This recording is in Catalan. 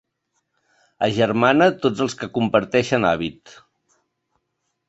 Agermana tots els que comparteixen hàbit.